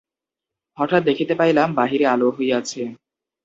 হঠাৎ দেখিতে পাইলাম, বাহিরে আলো হইয়াছে।